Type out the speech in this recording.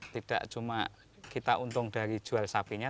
tidak cuma kita untung dari jual sapinya